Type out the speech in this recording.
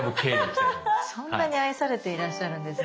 そんなに愛されていらっしゃるんですね。